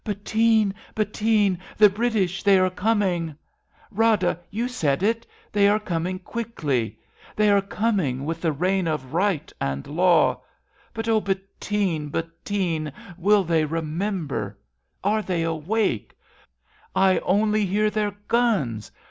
... Bettine, Bettine ! the British, they are coming ! 72 A BELGIAN CHRISTMAS EVE Rada, you said it — they are coming quickly ! They are coining, with the reign of right and law. But, O Bet tine ! Bettine ! will they re member ? Are they awake ? I only hear their guns.